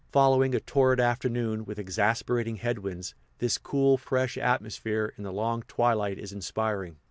Following a torrid afternoon, with exasperating headwinds, this cool, fresh atmosphere, in the long twilight, is inspiring.